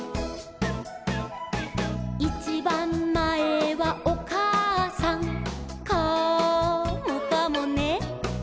「いちばんまえはおかあさん」「カモかもね」